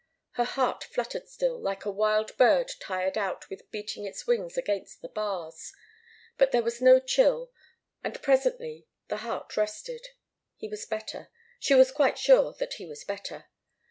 Her heart fluttered still, like a wild bird tired out with beating its wings against the bars. But there was no chill, and presently the heart rested. He was better. She was quite sure that he was better.